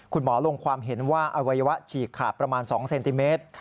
คุณหมอลงความเห็นว่าอวัยวะฉีกขาดประมาณ๒เซนติเมตร